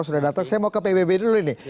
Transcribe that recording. saya mau ke pbb dulu nih